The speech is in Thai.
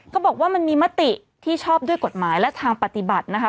เขาบอกว่ามันมีมติที่ชอบด้วยกฎหมายและทางปฏิบัตินะคะ